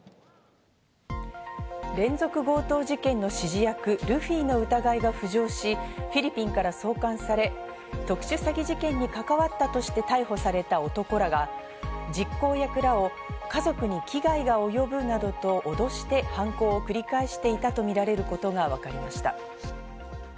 連続強盗事件の指示役・ルフィの疑いが浮上し、フィリピンから送還され、特殊詐欺事件に関わったとして逮捕された男らが、実行役らを、家族に危害が及ぶなどと脅して、犯行を繰り返していたとみられることがわかりました。